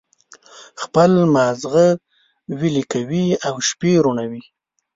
خپل مازغه ویلي کوي او شپې روڼوي.